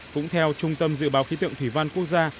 cũng theo trung tâm dự báo khí tượng thủy văn quốc gia